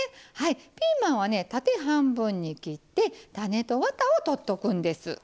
ピーマンはね縦半分に切って種とワタを取っとくんです。